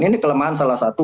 ini kelemahan salah satu